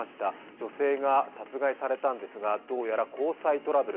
女性が殺害されたんですが、どうやら交際トラブル。